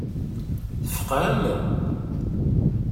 Tfeqɛem?